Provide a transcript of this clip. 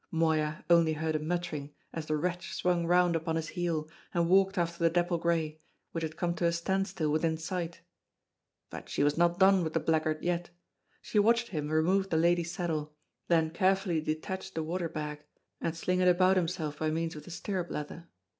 Moya only heard a muttering as the wretch swung round upon his heel, and walked after the dapple grey, which had come to a standstill within sight. But she was not done with the blackguard yet. She watched him remove the lady's saddle, then carefully detach the water bag, and sling it about himself by means of the stirrup leather.